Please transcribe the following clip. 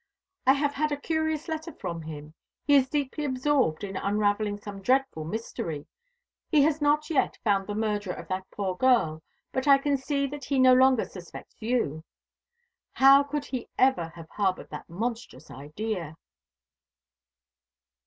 I have had a curious letter from him. He is deeply absorbed in unravelling some dreadful mystery. He has not yet found the murderer of that poor girl, but I can see that he no longer suspects you. How could he ever have harboured that monstrous idea?"